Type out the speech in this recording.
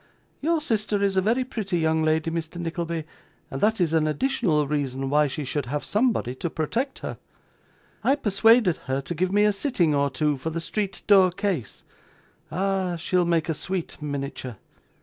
Your sister is a very pretty young lady, Mr. Nickleby, and that is an additional reason why she should have somebody to protect her. I persuaded her to give me a sitting or two, for the street door case. 'Ah! she'll make a sweet miniature.